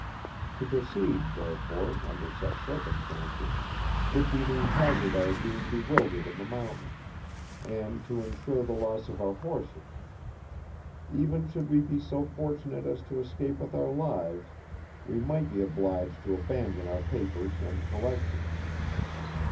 To proceed, therefore, under such circumstances, would be to hazard our being bewildered in the mountains, and to insure the loss of our horses; even should we be so fortunate as to escape with our lives, we might be obliged to abandon our papers and collections.